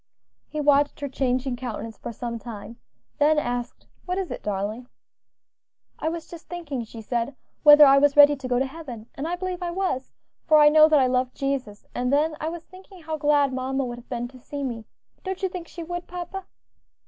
He watched her changing countenance for some time, then asked, "What is it, darling?" "I was just thinking," she said, "whether I was ready to go to heaven, and I believe I was; for I know that I love Jesus; and then I was thinking how glad mamma would have been to see me; don't you think she would, papa?"